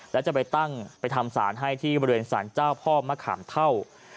และจะไปตั้งไปทำสารให้ที่บริเวณสารเจ้าพ่อมะขามเท่า